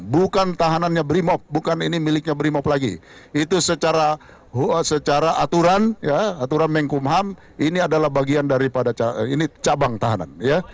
bukan tahanannya brimov bukan ini miliknya brimov lagi itu secara aturan ya aturan menkumhan ini adalah bagian daripada cabang tahanan ya